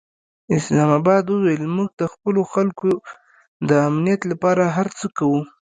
اسلام اباد وویل، موږ د خپلو خلکو د امنیت لپاره هر څه کوو.